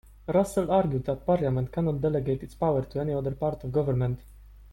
Russell argued that Parliament cannot delegate its powers to any other part of government.